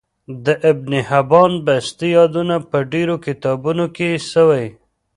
د ابن حبان بستي يادونه په ډیرو کتابونو کی سوی